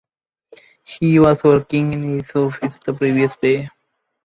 He was working in his office the previous day.